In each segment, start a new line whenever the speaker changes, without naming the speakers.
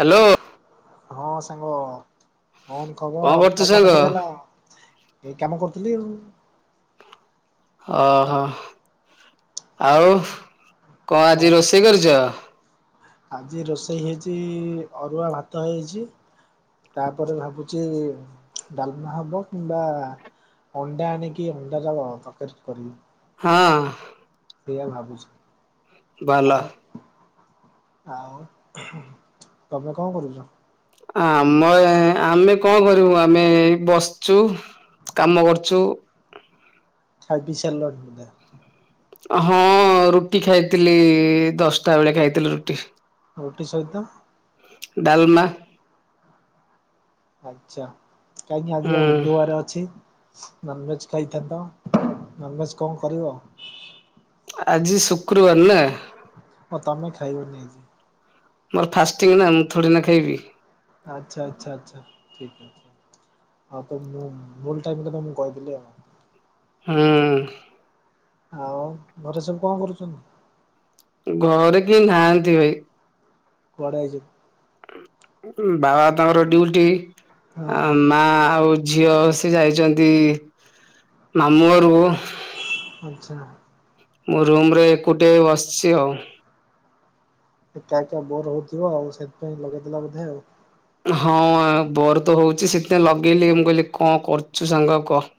Hello.
ହଁ ସାଙ୍ଗ କଣ୍
କଣ
ଖବର୍
କରୁଛୁ
କଣ୍
ସାଙ୍ଗ
ମନେ ପଡିଗଲା? ଏଇ କାମ କରୁଥିଲି ଆଉ।
ଅ-ହ ଆଉ କଣ
ହଁ
ଆଜି ରୋଷେଇ କରିଚ?
ଆଜି ରୋଷେଇ ହେଇଚି ଅରୁଆ ଭାତ ହେଇଚି ତାପରେ ଭାବୁଚି ଡାଲ୍ମା ହବ କିମ୍ବା ଅଣ୍ଡା ଆଣିକି ଅଣ୍ଡା ଚପ୍ ହବ ତରକାରୀ ଟେ କରିବି।
ହଁ।
ସେଇଆ ଭାବୁଚି
ଭଲ
ଆମେ ଆଉ ତମେ କଣ କରୁଚ?
ଆମ ଏଁ -ଆମେ କଣ କରିବୁ ଆମେ ଏଇ ବସିଚୁ। କାମ କରୁଚୁ।
ଖାଇ ପିଇ ସାରିଲଣି ବୋଧେ?
ହଁ ରୁଟି ଖାଇଥିଲି ଦଶ୍ ଟା ବେଳେ ଖାଇଥିଲି ରୁଟି।
ରୁଟି ସହିତ?
ଡାଲ୍ମା।
ଆଚା କାହିଁକି ଆଜିି ବା
ହୁଁ
ବୁଧୁବାର୍ ଅଛି? ନନଭେଜ୍ ଖାଇଥାନ୍ତ ନନଭେଜ୍ କଣ୍ କରିବ?
ଆଜି ଶୁକ୍ରୁବାର୍ ନା।
ଓ ତମେ ଖାଇବନି ଆଜି।
ମୋର ଫାଷ୍ଟିଙ୍ଗ ନା ମୁଁ ଥୋଡି ନା ଖାଇବି
ଆଚ୍ଛା ଆଚ୍ଛା ଆଚ୍ଛା ଠିକ୍ ଅଛି। ହଁ ତ ମୁଁ ଭୁଲ ଟାଇମରେ ମୁଁ କହିଥିଲି ଆଉ
ହଁ।
ଆଉ ଘରେ ସବୁ କଣ କରୁଛନ୍ତି।
ଘରେ କେହି ନାହାନ୍ତି ଭାଇ
କୁଆଡେ ଯାଇଚ
ବାବା ତାଙ୍କର ଡିଉଟି
ହଁ
ଆଁ ମା ଆଉ ଝିଅ ଯାଇଚନ୍ତି ମାମୁଁ ଘରକୁ
ଆଚ୍ଛା।
ମୁଁ ରୁମରେ ଏକୁଟିଏ ବସିଛି ଆଉ
ଏକା ଏକା ବୋର ହଉଥିବ ଆଉ ସେଥିପାଇଁ ଲଗେଇଦେଲା ବୋଧେ ଆଉ
ହଁ ଆ ବୋର ତ ହଉଛି ସେଥିପାଇଁ ଲଗେଇଲି ମୁଁ କହିଲି କଣ କରୁଛୁ ସାଙ୍ଗ କହ?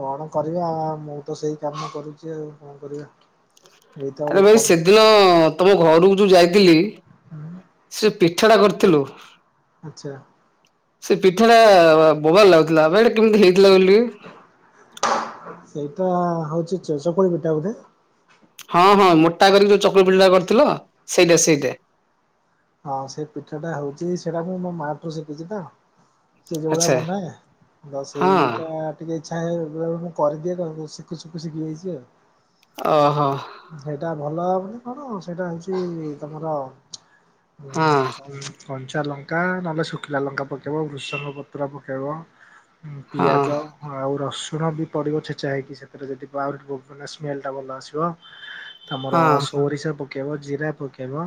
କଣ କରିବା ଆ ମୁଁ ତ ସେଇ କାମ କରୁଛି ଆଉ କଣ କରିବା। ଏଇତ ଆଉ
ଆରେ ଭାଇ
କର
ସେଦିନ ତମ ଘରୁକୁ ଯୋଉ ଯାଇଥିଲି।
ହୁଁ।
ସେ ପିଠାଟା କରିଥିଲୁ।
ଆଚ୍ଛା।
ସେ ପିଠା ଟା ବୋବାଲ ଲାଗୁଥିଲା ଆବେ ଏଟା କେମିତି ହେଇଥିଲା କହିଲୁ ଟିକେ?
ସେଇଟା ହଉଛି ଚ-ଚକୁଳି ପିଠା ବୋଧେ
ହଁ ହଁ ମୋଟା କରିକି ଯୋଉ ଚକୁଳିପିଲଟା କରିଥିଲ ସେଇଟା ସେଇଟେ
ହଁ ସେ ପିଠାଟା ହଉଛି ସେଇଟା ମୁଁ ମୋ ମାଠୁ ଶିଖିଛି ନା ସେ ଯେଉ ଭଳିଆ
ଆଚ୍ଛା।
ବନାଏ ତ
ହଁ
ସେଇଟା ଟିକେ ଇଚ୍ଛା ହେଏଁ ବେଳେବେଳେ ମୁଁ କରିଦିଏ ତ ମୁଁ ଶିଖୁ ଶିଖୁ ଶିଖିଯାଇଛି ଆଉ
ଓହୋ।
ସେଇଟା ଭଲ ଲାଗୁନି କଣ ସେଇଟା ହଉଛି ତମର
ହଁ
ଉ କଲ କଞ୍ଚା ଲଙ୍କା ନହେଲେ ଶୁଖିଲା ଲଙ୍କା ପକେଇବ ଭୁଷଙ୍ଗ ପତ୍ର ପକେଇବ। ହୁଁ
ହଁ
ପିଆଜ। ଆଉ ରସୁଣ ବି ପଡିବ ଛେଚା ହେଇକି ସେଥିରେ ଯଦି ଆହୁରି ବ ମାନେ ସ୍ମେଲ ଟା ଭଲ ଆସିବ। ଆମର
ହଁ
ସୋରିଷ ପକେ ପକେଇବ ଜିରା ପକେଇବ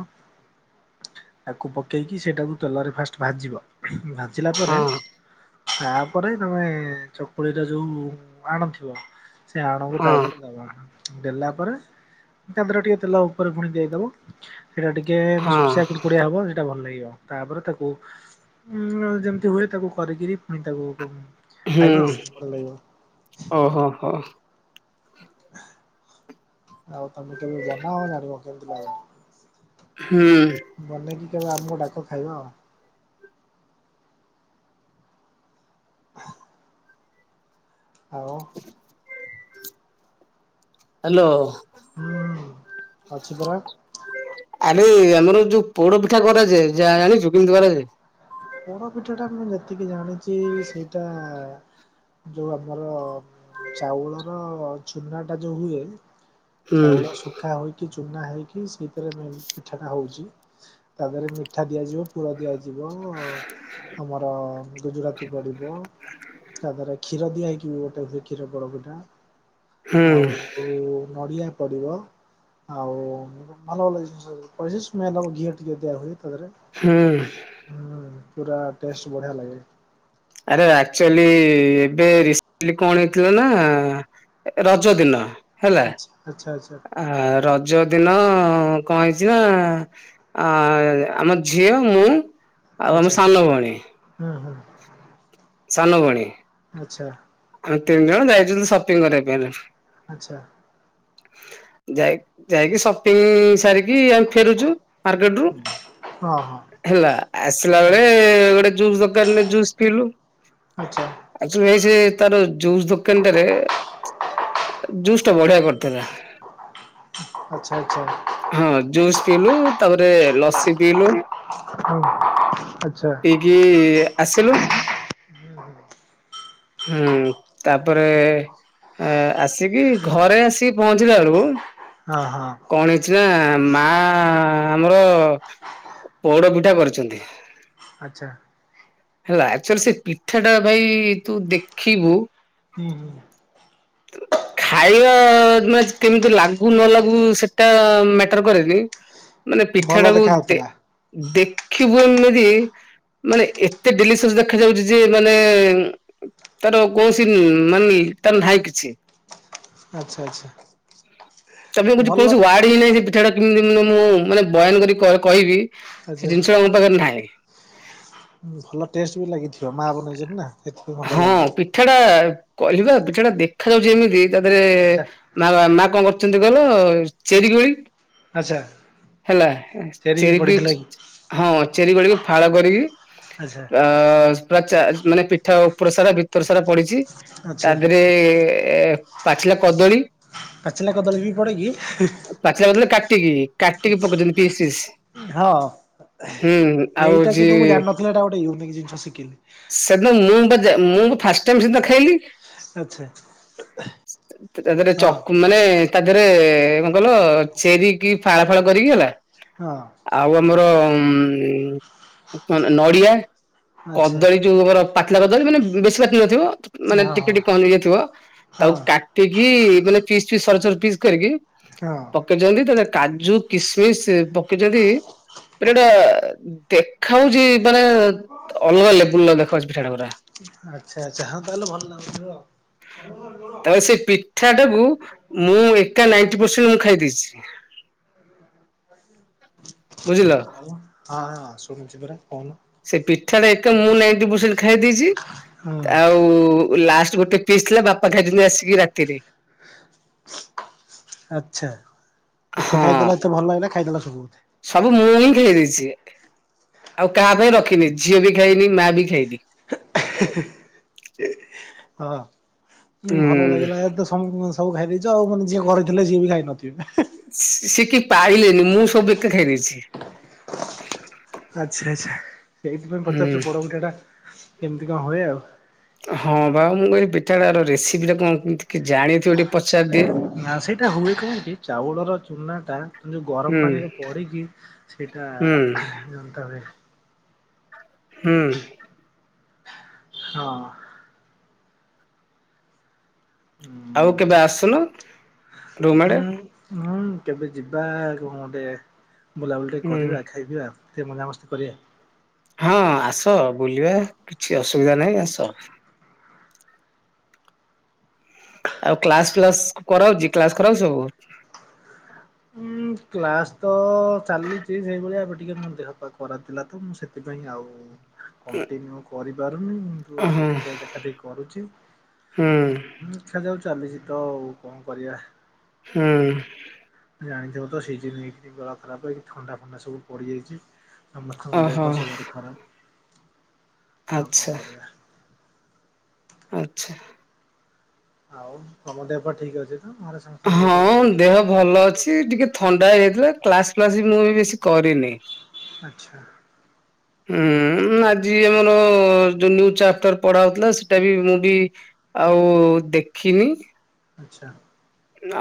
ଆକୁ ପକେଇକି ସେଇଟାକୁ ତେଲରେ ଫାଷ୍ଟ ଭାଜିବ ଭାଞ୍ଚିଲା ପରେ
ହଁ
ତାପରେ ତମେ ଚକୁଳିର ଯୋଉ ଆଣଥିବ ସେ ଆଣକୁ
ହଁ।
ତାପରେ ଦବା ଦେଲା ପରେ ତ ପରେ ଟିକେ ତେଲ ଉପରେ ଗୁଣି ଦେଇଦବ ସେଇଟା ଟିକେ
ହଁ
ମୁସମୁସିଆ କୁଡ଼କୁଡିଆ ହବ। ଟା ଭଲ ଲାଗିବ ତାପରେ ତାକୁ ଉଁ ଯେମିତି ହୁଏ ତାକୁ କରିକିରି ପୁଣି ତାକୁ ଖାଇବ ଭଲ ଲାଗିବ।
ହଁ ହଁ
ଆଉ ତମେ କେମିତିଆ ନା ଆଉ ଜାଣିବ କେମିତି ଲାଗ
ହୁଁ।
ବନେଇକି କେବେ ଆମକୁ ଡାକ ଖାଇବା ଆଉ ହ। ଆଉ
ହ୍ୟାଲୋ।
ହୁଁ। ଅଛି ପରା
ଆରେ ଆମର ଯୋଉ ପୋଡ ପିଠା କରାଯାଏ ଯାହା ଜଣିଛୁ କେମିତି କରାଯାଏ?
ପୋଡପିଟାଟା ମୁଁ ଯେତିକି ଜାଣିଛି ସେଇଟା ଯୋଉ ଆମର ଚାଉଳର ଚୁନା ଟା ଯୋଉ ହୁଏ
ହୁଁ
ଚାଉଳ ଶୁଖା ହୋଇକି ଚୁନା ହେଇକି ସେଇଥିରେ ମେନ ପିଠାଟା ହଉଛି ତାପରେ ମିଠା ଦିଆଯିବ ପୁର ଦିଆଯିବ ଅ ମ ଅ ଗୁଜୁରାତି ପଡ଼ିବ ତା ଦାରରେ କ୍ଷୀର ଦିଆ ହେଇକି ଗୋଟେ ସେ କ୍ଷୀର ପୋଡ ପିଟା
ହୁଁ
ଆଉ ଆଉ ନଡ଼ିଆ ପଡିବ ଆଉ ଭଲ ଭଲ ଜିନିଷ ସବୁ ପଡ଼େ [unintelligible] ଘିଅ ଟିକେ ଦିଆ ହୁଏ ତା ଦିହରେ
ହୁଁ।
ହୁଁ ପୁରା ଟେଷ୍ଟ ବଢିଆ ଲାଗେ
ଆରେ ଆକ୍ଚୁଆଲି ଏବେ ରିସେଣ୍ଟଲି କଣ ହେଇଥିଲା ନା ରଜ ଦିନ ହେଲା
ଆଚ୍ଛା ଆଚ୍ଛା ଆଚ୍ଛା
ଆ ରଜ ଦିନ କଣ ହେଇଛି ନା ଅ ଆମ ଝିଅ ମୁଁ ଆଉ ଆମ
ଆଚ୍ଛା
ସାନ ଭଉଣୀ
ହୁଁ ହୁଁ
ସାନ ଭଉଣୀ
ଆଛା
ଆଉ ତିନି ଜଣ ଯାଇଛନ୍ତି ସପିଙ୍ଗ କରିବା ପାଇଁ
ଆଛା।
ଯାଇ ଯାଇକି ସପିଙ୍ଗ୍ ସାରିକି ଆମେ ଫେରୁଛୁ ମାର୍କେଟ ରୁ
ହଁ ହଁ
ହେଲା ଆସିଲା ବେଳେ
ହୁଁ
ଗୋଟେ ଜୁସ୍ ଦୋକାନରେ ଜୁସ୍ ପିଇଲୁ
ଆଚ୍ଛା
ଆକ୍‌ଚୁଆଲି ଏଇ ସେ ତାର ଜୁସ୍ ଦୋକାନଟାରେ ଜୁସ୍ ଟା ବଢିଆ କରିଥିଲା
ଆଚ୍ଛା ଆଚ୍ଛା
ହଁ ଜୁସ ପିିଇଲୁ ତାପରେ ଲସି ପିଇଲୁ
ହଁ ଆଚ୍ଛା
ପିଇକି ଆସିଲୁ ହୁଁ ତାପରେ ଆସିକି ଘରେ ଆସିକି ପହଞ୍ଚିଲା ବେଳକୁ
ହଁ ହଁ।
କଣ ହେଇଛି ନା ମା ଆମର ମୋ ପୋଡ଼ ପିଠା କରିଛନ୍ତି
ଆଛା।
ହେଲା ଆକ୍ଚୁଆଲି ସେ ପିଠାଟା ଭାଇ ତୁ ଦେଖିବୁ
ହୁଁ ହୁଁ।
ହ [unintelligible] ଖାଇବା ମାନେ କେମିତି ଲାଗୁ ନ ଲାଗୁ ସେଟା ମ୍ୟାଟର୍ କରେନି ମାନେ ପିଠା
ଭଲ
ଟାକୁ
ଦେଖା
ଦେ
ଯାଉଥିଲା
ଦେଖିବୁ ଏମିତି ମାନେ ଏତେ ଡେଲିସିଅସ୍ ଦେଖ ଯାଉଛି ଯେ ମାନେ ତାର କୌଣସି ମାନି ତାର ନାଁ ନାହିଁ କି ଛି
ଆଚ୍ଛା ଆଚ୍ଛା
ତା ପାଇଁ ମୁଁ
ଭଲ
କୌଣସି ୱାର୍ଡ କେମିତି ସେ ପିଠା ଟା କେମିତି ମାନେ ମୁଁ ମାନେ ବୟାନ କରି କହିବି
ଆଚ୍ଛା
ସେ ଜିନିଷଟା ମୋ ପାଖରେ ନାହିଁ।
ଭଲ ଟେଷ୍ଟ ବି ଲାଗିଥିବ ମା ବନେଇଛନ୍ତି ନା। ସେଥିପାଇଁ ଭଲ
ହଁ
ଲାଗିବ।
ପିଠା ଟା କହିଲି ପା ପିଠା ଟା ଦେଖା ଯାଉଛି ଏମିତି ତା ଦେହରେ
ଆଚ୍ଛା
ମା ମା କଣ କରୁଛନ୍ତି କହିଲ ଚେରି କୋଳି
ଆଚ୍ଛା
ହେଲା
ବି
ଚେରି
ପଡିଥିଲା
କୋଳି
କି?
ହଁ ଚେରି କୋଳିକୁ ଫାଳ କରିକି
ଆଚ୍ଛା।
ଅ ପୁରା ମାନେ ପିଠା ଉପର ସାରା ଭିତର ସାରା ପଡିଛି।
ଆଚ୍ଛା
ତା ଦେହରେ ପାଚିଲା କଦଳୀ
ପାଚିଲା କଦଳୀ ବି ପଡ଼େ କି?
ପାଚିଲା କଦଳୀ କାଟିକି ରି କାଟିକି ପକଉଛନ୍ତି ପିସ୍ ପିସ୍
ହଁ
ହୁଁ ଆଉ ଯିଏ
ମାନେ ଏଇଟା ଗୋଟେ ୟୁନିକ୍ ଜିନିଷ ଶିଖିଲି।
ସେଦିନ ମୁଁ ମୁଁ ଫାଷ୍ଟ ଟାଇମ ସେଦିନ ଖାଇଲି।
ଆଚ୍ଛା
ତା ଦେହରେ
ହଁ
ଚକ ମାନେ ତା ଦେହରେ ଭଲ ଚେରି କି ଫାଳ ଫାଳ କରିକି ହେଲା।
ହଁ
ଆଉ ଆମର ନଡ଼ିଆ
ଆଚ୍ଛା
କଦଳୀ ଯୋଉ ଆମର ପାଚିଲା କଦଳୀ ମାନେ ବେଶୀ ପାଚି ନଥିବ। ମାନେ
ହଁ
ଟିକେ
ହଁ।
ଟିକେ କଞ୍ଚା ଥିବ ତାକୁ
ହଁ
କାଟିକି ମାନେ ପିସ୍ ପିସ୍ ସରୁ ସରୁ ପିସ୍ କରିକି
ହଁ।
ପକେଇଛନ୍ତି ସେଥିରେ କାଜୁ, କିସମିସ୍ ପକେଇଛନ୍ତି। ପେଢା ଦେଖାଉଛି ମାନେ ଅଲଗା ଲେବୁଲ ଦେଖାଉଛି ପିଠା ଟା ପୁରା।
ଆଚ୍ଛା ଆଚ୍ଛା ହଁ ତାହେଲେ ଭଲ ଲାଗୁଥିବ।
ହ ତାପରେ ସେ ପିଠାଟାକୁ ମୁଁ ଏକା ନାଇଟି ପରସେଣ୍ଟ ମୁଁ ଖାଇ ଦେଇେଇଛି। ବୁଝିଲ।
ହ ହଁ ହଁ ଶୁଭୁଛି ପରା କହୁନ।
ସେ ପିଠା ଟା ଏକା ମୁଁ ନାଇଣ୍ଟି ପରସେଣ୍ଟ ଖାଇ ଦେଇେଇଛି
ହୁଁ
ଆଉ। ଲାଷ୍ଟ ଗୋଟେ ପିସ୍ ଥିଲା ବାପା ଖାଇଦେଇଛନ୍ତି ଆସିକି ରାତିରେ।
ଆଚ୍ଛା ଏତେ
ହଁ।
ଖାଇଦେଲା ଏତେ ଭଲ ଲାଗେ ନା ଖାଇଦେଲା ସବୁ।
ସବୁ ମୁଁ ହିଁ ଖାଇ ଦେଇେଇଛି। ଆଉ କାହା ପାଇଁ ରଖିନି ଝିଅ ବି ଖାଇନି ମା ବି ଖାଇନି।
ହଁ ଭଲ
ହୁଁ
ଲାଗିଲା ଏ ତସବୁ। ସବୁ ଖାଇ ଦେଇେଇଛ ଆଉ ମାନେ ଯିଏ ଥିଲେ ସିଏ ବି ଖାଇ ନଥିବେ।
ସେ କି ପାଇଲେନି ମୁଁ ସବୁ ଏକା ଖାଇଦଛି।
ଆଚ୍ଛା ଆଚ୍ଛା ସେଇଥିପାଇଁ
ହୁଁ
ପଚାରୁଛ ବୋଡପୁଠା ଟା କେମିତି କଣ ହୁଏ ଆଉ
ହଁ ବା ମୁଁ କହିଲି ପିଠାଟା ରେସିପି ଟା କଣ ଜାଣିଥିବ ଟିକେ ପଚାରିଦିଏ ଯଶ।
ନା ସେଇଟା ହୁଏ କାହିଁକି ଚାଉଳର ଚୁନା ଟା ଯୋଉ ଗରମ
ହୁଁ।
ପାଣି ରେ ପଡିକି ସେଇଟା
ହୁଁ
ଜନ୍ତ୍ରା ହୁଏ।
ହୁଁ
ହଁ
ଆଉ କେବେ ଆସୁନ ରୁମ୍ ଆଡେ।
ହୁଁ ହୁଁ କେବେ ଯିବା କ ଗଟେ ବୁଲାବୁଲି ଟେ
ହୁଁ।
କରିବା ଖାଇବିବା। ଏତେ ମଜାମସ୍ତି କରିବା
ହଁ ଆସ ବୁଲିବା କିଛି ଅସୁବିଧା ନାହିଁ ଆସ ଆଉ କ୍ଲାସ ଫ୍ଲାସ କରାାଉଉଛି କ୍ଲାସ କରାାଉଛି ସବୁ
ଉଁ କ୍ଲାସ ତ ଚାଲିଛି ସେଇଭଳିଆ ଏବେ ଟିକେ ମୋ ଦେହ ପାଖ କରାଥିଲା ତ ମୁଁ ସେ ସେଥିପାଇଁ ଆଉ କଣ୍ଟିନ୍ୟୁ କରିପାରୁନି କିନ୍ତୁ ଏବେ
ହଁ
ଟିକେ ଦେଖା ଦେଖି କରୁଛି।
ହୁଁ
ହଁ ଦେଇଖା ଯାଉ ଚାଲିଛି ତଉ କଣ କରିବା।
ହଁ।
ଜାଣିଥିବ ତ ସେଇିନ ଗ ଖରାପ ହେ ଥଣ୍ଡା ଫଣ୍ଡା ସବୁ ପଡିଯାଇଛି। ସମସ୍ତଙ୍କ
ଓହୋ
ଦେହ ସବୁଠ ଖରାପ ଆଉ କଣ
ଆଚ୍ଛା
କରିବା।
ଆଛା।
ଆଉ ତମ ଦେହ ପା ଠିକ ଅଛି ତ ଘରେ ସମ
ହଁ ଦେହ ଭଲ ଅଛି ଟିକେ ଥଣ୍ଡା ହେଇଯାଇଥିଲା କ୍ଲାସ ଫ୍ଲାସ ବି ମୁଁ ବି ବେଶୀ କରିନି
ଆଚ୍ଛା
ହ। ହଁ ଆଜି ଆମର ଯୋଉୁ ଚାପ୍ଟର ପଢା ହାଉଥିଲା ସେଇଟା ବି ମୁଁ ବି ଆଉ ଦେଖିନି।
ଆଚ୍ଛା।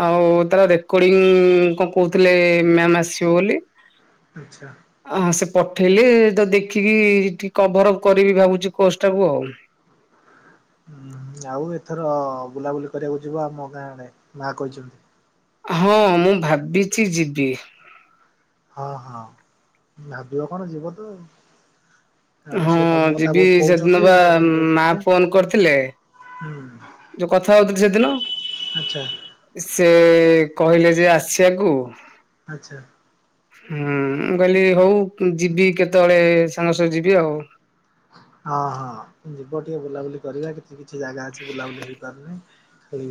ଆଉ ତାର ରେକର୍ଡିଙ୍ଗ କଣ କହୁଥିଲେ ମ୍ୟାମ୍ ଆସିବ ବୋଲି।
ଆଚ୍ଛା।
ହ ସେ ପଠେଇଲେ ତ ଦେଖିକି ଟିକ କଭର ଅପ୍ କରିବି ଭାବୁଛି କୋସ ଟାକୁ ଆଉ।
ହୁଁୁ ଆଉ ଏଥର ବୁଲାବୁଲି କରିବାକୁ ଯିବ ଆମ ଗାଁ ଆଡେ ମା କହିଛନ୍ତି।
ହଁ ମୁଁ ଭାବିଛି ଯିବି।
ହଁ ହଁ ଭାବିବ କଣ ଯିବ ତ ଆଉ। ତପରେ
ହଁ
ସିଏ ତମ କଥା
ଯିବି
ବହୁତ
ସେଦିନ
କହୁଛନ୍ତି
ବା
ଯିବାପାଇଁ
ମା ଫୋନ କରିଥିଲେ
କହୁଛନ୍ତି। ହୁଁ।
ଯୋଉ କଥା ହଉଥିଲି ସେଦିନ।
ଆଚ୍ଛା
ସେ କହିଲେ ଯେ ଆସିବାକୁ।
ଆଚ୍ଛା।
ହୁଁ ମୁଁ କହିଲି ହଉ ଯିବି କେତେବେଳେ ସାଙ୍ଗ ସହ ଯିବି ଆଉ।
ହଁ ହଁ ଯିବ ଟିକେ ବୁଲାବୁଲି କରିବା କିଛି କିଛି ଜାଗା ଅଛି ବୁଲାବୁଲି ହେଇ ପାରୁନାହିଁ। ସେଇ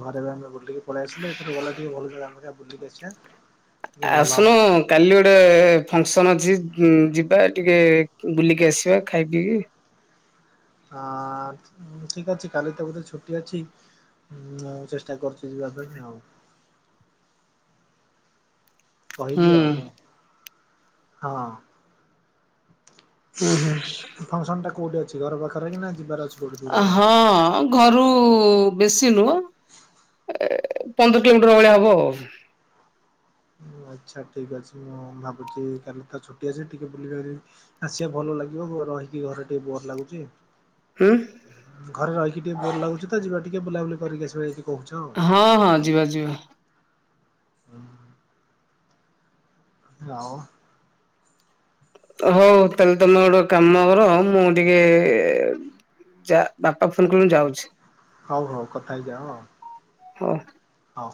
ଘରେ ଏବେ ବୁଲିକି ପଳେଇ ଆସିଲେ ଏଥର ଗଲା ଟିକେ ଭଲାଗମ ବୁଲିିକି ଆସିବା। ଟିକେ ଭଲ ହବ
ଆସୁନୁ। କାଲି ଗୋଟେ ଫଙ୍କସନ୍ ଅଛି ଯିବା ଟିକେ ବୁଲିକି ଆସିବା ଖାଇ ପିଇକି।
ଆ ଠିକ ଅଛି କାଲି ତ ବୋଧେ ଛୁଟି ଅଛି। ହୁଁ ମୁଁ ଚେଷ୍ଟା କରୁଛି ଯିବା ପାଇଁ ଆଉ।
ହୁଁ
କହିବି ଆଉ ହଁ।
ହୁଁ ହୁଁ।
ଫଙ୍କସନ୍ ଟା କୋଉଠି ଅଛି ଘର ପାଖରେ କି ନା ଯିବାର ଅଛି। କୋଉଠି ଦୂର ଜାଗା?
ହଁ ଘରୁ ବେଶୀ ନୁହଁ ପନ୍ଦର କିଲୋମିଟର ଭଳିଆ ହବ ଆଉ।
ଆଚ୍ଛା ଠିକ୍ ଅଛି ମୁଁ ଭାବୁଛି କାଲି ତା ଛୁଟି ଅଛି ଟିକେ ବୁଲିପାରିବି। ଆସିବା ଭଲ ଲାଗିବ ରହିବି ଘରେ ଟିକେ ବୋର ଲାଗୁଛି।
ହୁଁ।
ଘରେ ରହିକି ଟିକେ ବୋର ଲାଗୁଛି ତ ଯିବା ଟିକେ ବୁଲାବୁଲି କରିକି ଆସିବା ଏଇଠି।
ହଁ ହଁ ଯିବା ଯିବା।
ହ। ରାଉ
ହଉ ତାହାଲେ ତମେ ଗୋଟେ କାମ କର ମୁଁ ଟିକେ ଯା ବାପା ଫୋନ କଲେ ମୁଁ ଯାଉଛି।
ହଉ ହଉ କଥା ହେଇଯାଅ।
ହ।
ହଉ।